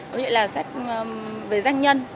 có nghĩa là sách về danh nhân